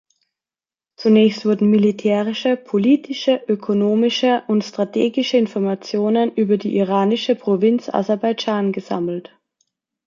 Zunächst wurden militärische, politische, ökonomische und strategische Informationen über die iranische Provinz Aserbaidschan gesammelt.